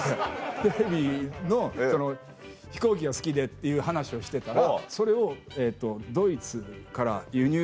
テレビの飛行機が好きでっていう話をしてたらそれをドイツから輸入。